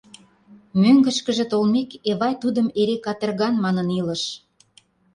Мӧҥгышкыжӧ толмек, Эвай тудым эре катырган манын илыш.